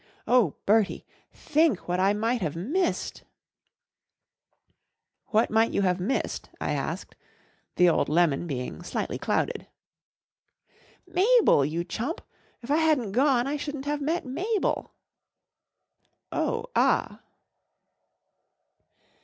Oh, Bertie, think what I might have missed !"" What might you have missed ?" 1 asked, the old lemon being slightly clouded. 1 Mabel, you chump* If 1 hadn't gone I shouldn't have met Mabel/' 11 Oh, ah